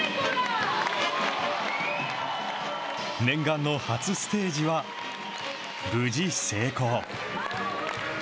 念願の初ステージは、無事成功。